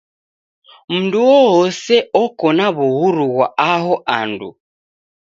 Mndu uoose oko na w'uhuru ghwa aho andu.